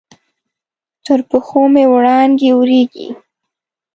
تر پښو مې وړانګې اوریږې